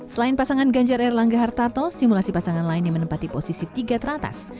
selain pasangan ganjar erlangga hartarto simulasi pasangan lain yang menempati posisi tiga teratas